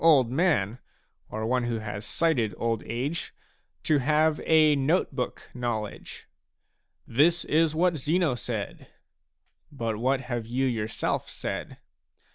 old man, or one who has sighted old age, to have a note book knowledge. " This is what Zeno said." But what have you yourself said?